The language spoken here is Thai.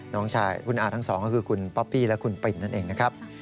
น้องชายคุณอาทั้งสองก็คือคุณป๊อปปี้และคุณปินนั่นเองนะครับ